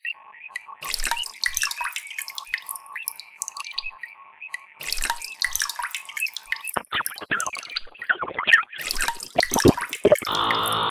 mahakama kuu iliagiza uchaguzi urudiwe